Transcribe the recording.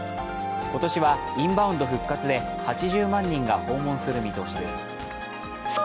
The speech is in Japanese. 今年はインバウンド復活で８０万人が訪問する見通しです。